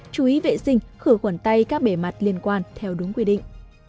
chú ý vệ sinh khử quần tay các bể mặt liên quan theo đúng quy định